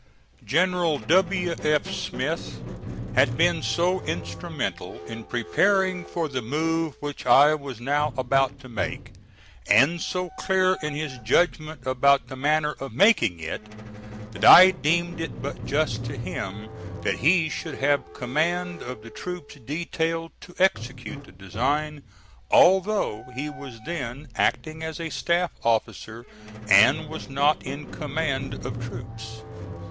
General W. F. Smith had been so instrumental in preparing for the move which I was now about to make, and so clear in his judgment about the manner of making it, that I deemed it but just to him that he should have command of the troops detailed to execute the design, although he was then acting as a staff officer and was not in command of troops.